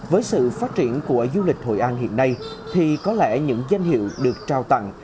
với sự phát triển của du lịch hội an hiện nay thì có lẽ những danh hiệu được trao tặng